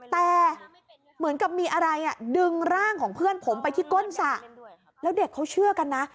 แต่เหมือนกับมีอะไรอ่ะดึงร่างของเพื่อนผมไปที่ก้นสระแล้วเด็กเขาเชื่อกันนะ